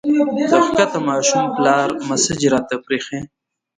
د ښکته ماشوم پلار مسېج راته پرېښی